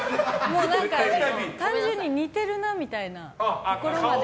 単純に似てるなみたいなところまで。